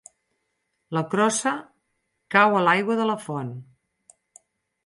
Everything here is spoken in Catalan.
La crossa cau a l'aigua de la font.